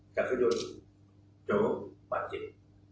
จากกระโยชน์โจ้ปากเจ็บ